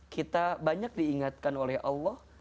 kita banyak diingatkan oleh allah